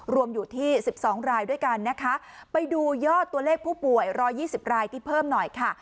รวมอยู่ที่สิบสองรายด้วยกันนะคะไปดูยอดตัวเลขผู้ป่วย๑๒๐รายที่เพิ่มหน่อยค่ะ